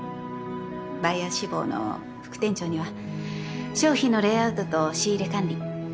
バイヤー志望の副店長には商品のレイアウトと仕入れ管理。